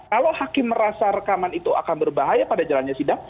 kalau hakim merasa rekaman itu akan berbahaya pada jalannya sidang